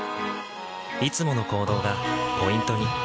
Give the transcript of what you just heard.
いつもの行動がポイントに。